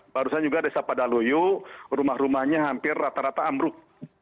barusan juga desa padaloyo rumah rumahnya hampir rata rata amruk